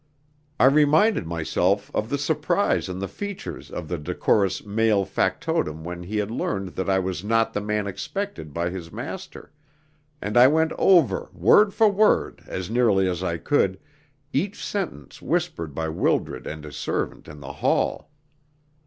I reminded myself of the surprise on the features of the decorous male factotum when he had learned that I was not the man expected by his master, and I went over word for word, as nearly as I could, each sentence whispered by Wildred and his servant in the hall.